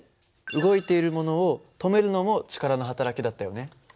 動いているものを止めるのも力のはたらきだったよね。